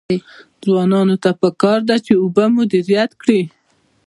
ځوانانو ته پکار ده چې، اوبه مدیریت کړي.